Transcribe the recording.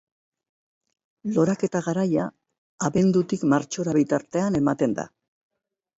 Loraketa garaia, abendutik martxora bitartean ematen da.